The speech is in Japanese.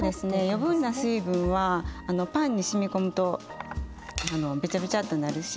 余分な水分はあのパンにしみ込むとあのべちゃべちゃっとなるし。